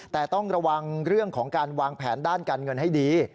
แต่ต้องระวังเรื่องของการวางแผนด้านการเงินให้ดี